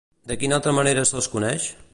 De quina altra manera se'ls coneix?